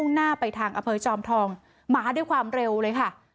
หน้าไปทางอำเภอจอมทองมาด้วยความเร็วเลยค่ะ